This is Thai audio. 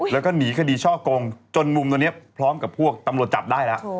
แล้วก็หนีคดีช่อกงจนมุมตัวนี้พร้อมกับพวกตำรวจจับได้แล้ว